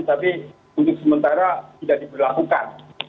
tapi untuk sementara tidak diberlakukan